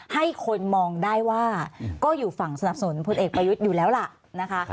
ให้คนมองได้ว่าก็อยู่ฝั่งสนับสนุนพลเอกประยุทธ์อยู่แล้วล่ะนะคะ